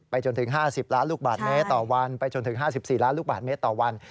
จนถึง๕๐ล้านลูกบาทเมตรต่อวันไปจนถึง๕๔ล้านลูกบาทเมตรต่อวัน